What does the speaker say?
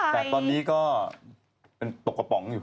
แต่ตอนนี้ก็เป็นตกกระป๋องอยู่